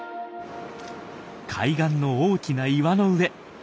海岸の大きな岩の上。